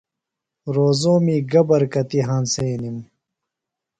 روزومی گہ برکتیۡ ہنسنِم؟ ص